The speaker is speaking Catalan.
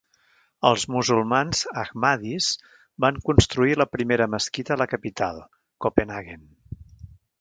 Els musulmans ahmadis van construir la primera mesquita a la capital, Copenhaguen.